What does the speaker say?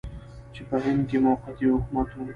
چې په هند کې موقتي حکومت و.